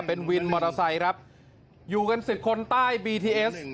เป็นวินมอเตอร์ไซค์ครับอยู่กันสิบคนใต้บีทีเอส